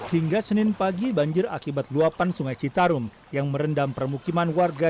hingga senin pagi banjir akibat luapan sungai citarum yang merendam permukiman warga